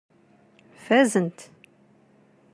Fazent.